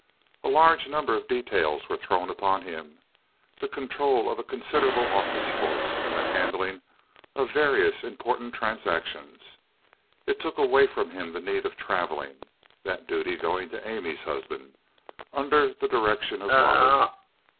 A large number of details were thrown upon him—the control of a considerable office force, and the handling of various important transactions. It took away from him the need of traveling, that duty going to Amy's husband, under the direction of Robert.